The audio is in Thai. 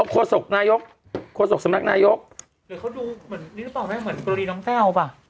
โครสกนายกโครสกสมรรคนายกเดี๋ยวเขาดูเหมือนนี้หรือเปล่าไหม